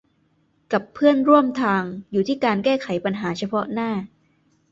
กับเพื่อนร่วมทางอยู่ที่การแก้ปัญหาเฉพาะหน้า